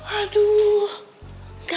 aduh ini namanya kejam